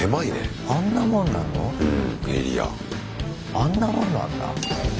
あんなもんなんだ。